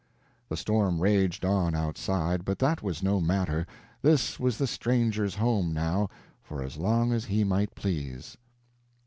The storm raged on outside, but that was no matter; this was the stranger's home now, for as long as he might please.